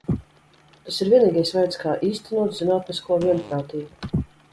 Tas ir vienīgais veids, kā īstenot zinātnisko vienprātību.